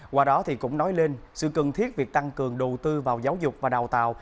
qua đó thì cũng nói lên sự cần thiết việc tăng cường đầu tư vào giáo dục và đào tạo